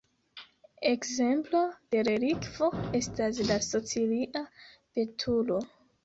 Ekzemplo de relikvo estas la sicilia betulo.